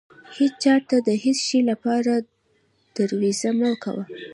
هيچا ته د هيڅ شې لپاره درويزه مه کوه.